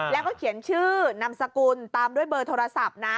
แล้วก็เขียนชื่อนามสกุลตามด้วยเบอร์โทรศัพท์นะ